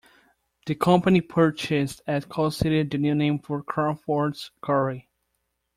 The company purchased at Calcite, the new name for Crawford's Quarry.